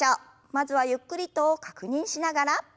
まずはゆっくりと確認しながら。